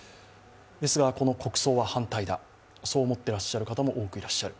ですが、この国葬は反対だ、そう思ってらっしゃる方も多くいらっしゃる。